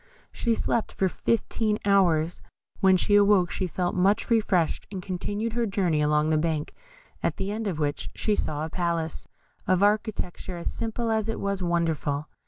She slept for fifteen hours. When she awoke she felt much refreshed, and continued her journey along the bank, at the end of which she saw a palace, of architecture as simple as it was wonderful.